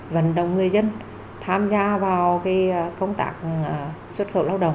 vận động người dân tham gia vào công tác xuất khẩu lao động